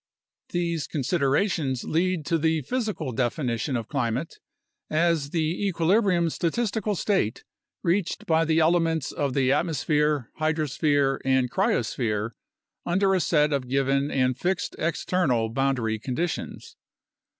These considerations lead to the "physical" definition of climate as the equilibrium statistical state reached by the elements of the at mosphere, hydrosphere, and cryosphere under a set of given and fixed external boundary conditions.